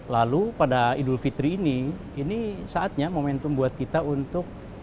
lalu pada idul fitri ini ini saatnya momentum buat kita untuk